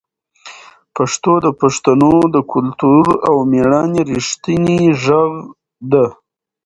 پښتو د پښتنو د کلتور او مېړانې رښتینې غږ ده.